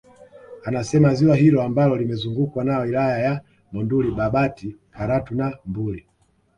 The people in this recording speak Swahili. Anasema ziwa hilo ambalo limezungukwa na wilaya za Monduli Babati Karatu na Mbuli